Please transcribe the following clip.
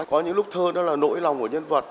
có những lúc thơ đó là nỗi lòng của nhân vật